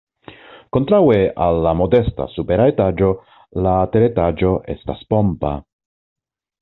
Kontraŭe al la modesta supera etaĝo la teretaĝo estas pompa.